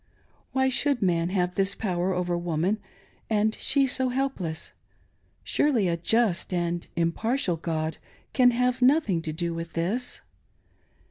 Why should man have this power over woman, and she so helpless ? Surely a just and impartial God can have nothing to do with this